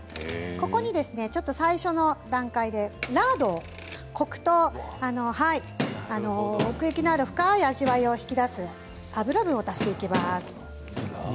ここで最初の段階で、ラードコクと奥行きのある深い味わいを引き出す脂分を足していきます。